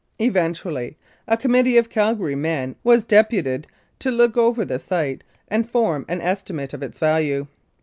Eventually a committee of Calgary men was deputed to look over the site and form an estimate of its value.